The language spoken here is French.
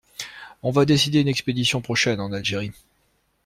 On va décider une expédition prochaine en Algérie.